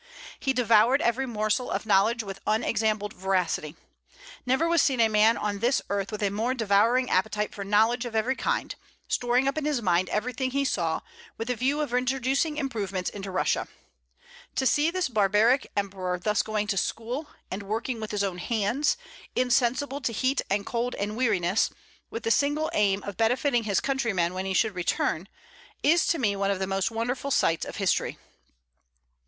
"He devoured every morsel of knowledge with unexampled voracity." Never was seen a man on this earth with a more devouring appetite for knowledge of every kind; storing up in his mind everything he saw, with a view of introducing improvements into Russia. To see this barbaric emperor thus going to school, and working with his own hands, insensible to heat and cold and weariness, with the single aim of benefiting his countrymen when he should return, is to me one of the most wonderful sights of history.